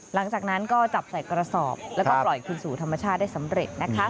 หลังจากนั้นก็จับใส่กระสอบแล้วก็ปล่อยคืนสู่ธรรมชาติได้สำเร็จนะคะ